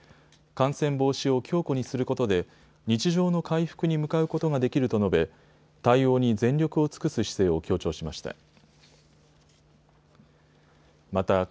感染防止を強固にすることで日常の回復に向かうことができると述べ対応に全力を尽くす姿勢を強調しました。